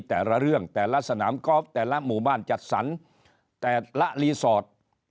แต่ละเรื่องแต่ละสนามกอล์ฟแต่ละหมู่บ้านจัดสรรแต่ละรีสอร์ท